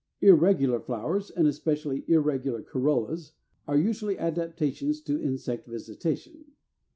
337. Irregular flowers (253) and especially irregular corollas are usually adaptations to insect visitation.